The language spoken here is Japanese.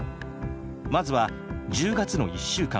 まずは１０月の１週間。